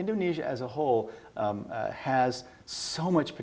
indonesia sebagai sepenuhnya